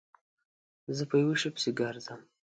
زه په یوه شي پسې گرځم